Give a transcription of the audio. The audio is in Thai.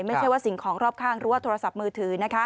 ไม่ใช่ว่าสิ่งของรอบข้างหรือว่าโทรศัพท์มือถือนะคะ